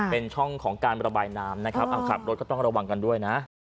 เป็นช่องของการระบายน้ำนะครับขับรถก็ต้องระวังกันด้วยนะ